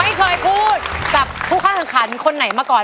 ไม่เคยพูดกับผู้ค่าขันคนไหนมาก่อน